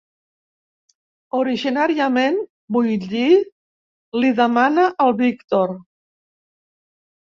Originàriament, vull dir —li demana el Víctor.